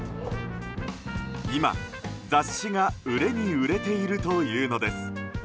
今、雑誌が売れに売れているというのです。